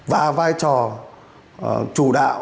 và vai trò chủ đạo